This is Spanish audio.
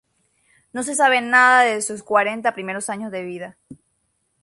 No sabemos nada de sus cuarenta primeros años de vida.